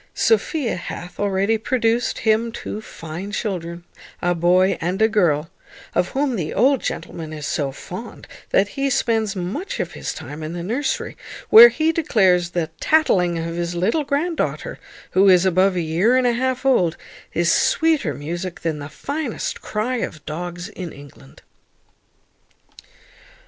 Sophia hath already produced him two fine children, a boy and a girl, of whom the old gentleman is so fond, that he spends much of his time in the nursery, where he declares the tattling of his little grand daughter, who is above a year and a half old, is sweeter music than the finest cry of dogs in England.